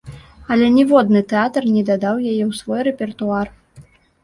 Але ніводны тэатр не дадаў яе ў свой рэпертуар.